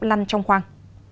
lăn trong khoang